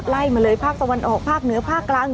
ไล่มาเลยภาคตะวันออกภาคเหนือภาคกลาง